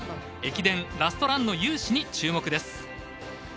駅伝ラストランの雄姿に注目です。